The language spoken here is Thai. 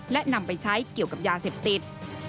และนำไปใช้เกี่ยวกับยาเสพติด